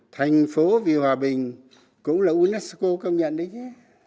thành phố vì hòa bình cũng là unesco công nhận đấy chứ